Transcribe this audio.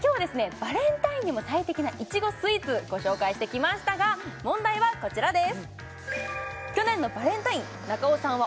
バレンタインにも最適ないちごスイーツご紹介してきましたが問題はこちらです